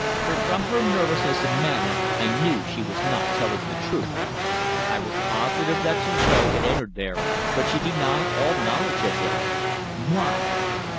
But from her nervousness of manner I knew she was not telling the truth. I was positive that Suzor had entered there, but she denied all knowledge of him. Why?